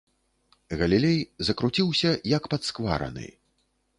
Галілей закруціўся, як падсквараны.